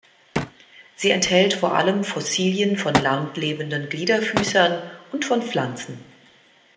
Sie enthält vor allem Fossilien von landlebenden Gliederfüßern und von Pflanzen.